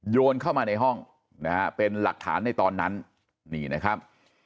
โยนเข้ามาในห้องนะฮะเป็นหลักฐานในตอนนั้นนี่นะครับ